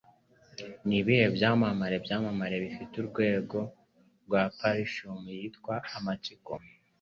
Nibihe Byamamare Byamamare Bifite Urwego rwa Parfum Yitwa "Amatsiko"?